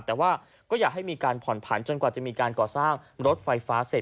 แต่ว่าก็อยากให้มีการผ่อนผันจนกว่าจะมีการก่อสร้างรถไฟฟ้าเสร็จ